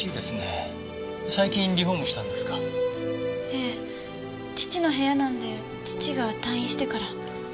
ええ父の部屋なんで父が退院してから。